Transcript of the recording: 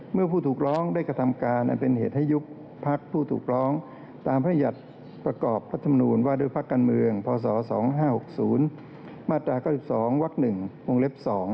เมื่อผู้ถูกร้องได้กระทำการอันเป็นเหตุให้ยุบพักผู้ถูกร้องตามพระหยัดประกอบรัฐธรรมนูลว่าด้วยพักการเมืองพศ๒๕๖๐มาตรา๙๒วัก๑วงเล็บ๒